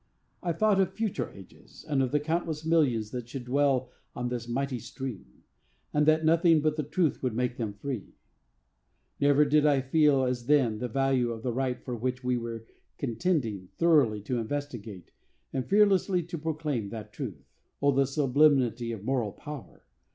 I thought of future ages, and of the countless millions that should dwell on this mighty stream; and that nothing but the truth would make them free. Never did I feel as then the value of the right for which we were contending thoroughly to investigate and fearlessly to proclaim that truth. O, the sublimity of moral power!